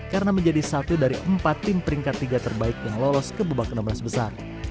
karena menjadi satu dari empat tim peringkat tiga terbaik yang lolos ke bebak enam belas besar